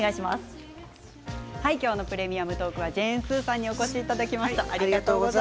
「プレミアムトーク」はジェーン・スーさんにお越しいただきました。